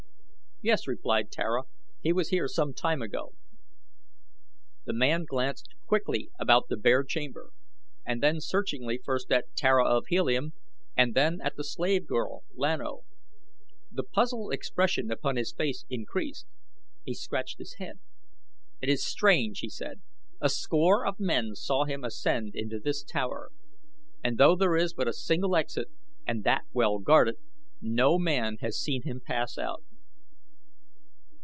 "Yes," replied Tara, "he was here some time ago." The man glanced quickly about the bare chamber and then searchingly first at Tara of Helium and then at the slave girl, Lan O. The puzzled expression upon his face increased. He scratched his head. "It is strange," he said. "A score of men saw him ascend into this tower; and though there is but a single exit, and that well guarded, no man has seen him pass out."